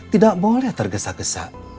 tidak boleh tergeser